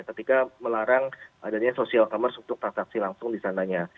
ketika melarang adanya social commerce untuk transaksi langsung di sananya